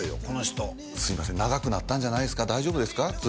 この人すいません長くなったんじゃないですか大丈夫ですか？